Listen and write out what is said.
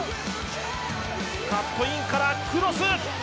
カットインからクロス！